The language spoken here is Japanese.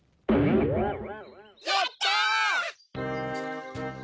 ・やった！